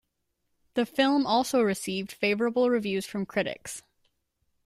The film also received favourable reviews from critics.